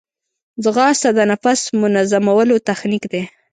ځغاسته د نفس منظمولو تخنیک دی